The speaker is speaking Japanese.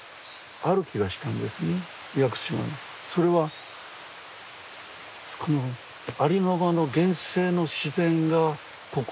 それはこのありのままの原生の自然がここにはある。